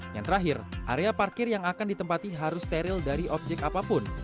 yang terakhir area parkir yang akan ditempati harus steril dari objek apapun